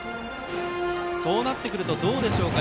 そうなってくるとどうでしょうか。